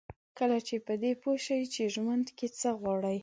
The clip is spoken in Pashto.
کله چې په دې پوه شئ چې ژوند کې څه غواړئ.